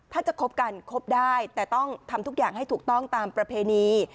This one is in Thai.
ถ้าจะคบกันคบได้แต่ต้องทำทุกอย่างให้ถูกต้องตามประเพณี